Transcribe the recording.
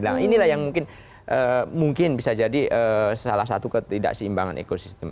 nah inilah yang mungkin bisa jadi salah satu ketidakseimbangan ekosistem